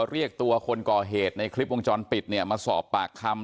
เรียกตัวคนก่อเหตุในคลิปวงจรปิดเนี่ยมาสอบปากคำ